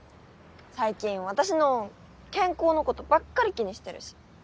最近私の健康のことばっかり気にしてるし。